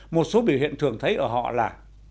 một số biểu hiện thường thấy ở họ là